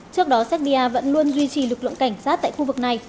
trước đó serbia vẫn luôn duy trì lực lượng cảnh sát tại khu vực này